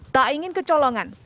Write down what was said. tak ingin kecolongan